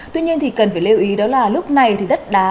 tuy nhiên thì cần phải lưu ý đó là lúc này thì đất đá